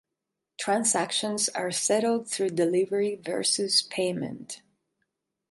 Transactions are settled through delivery versus payment.